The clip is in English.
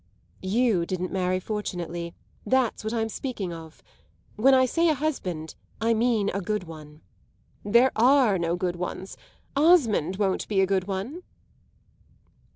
"You didn't marry fortunately; that's what I'm speaking of. When I say a husband I mean a good one." "There are no good ones. Osmond won't be a good one."